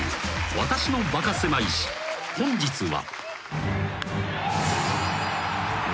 『私のバカせまい史』［本日は］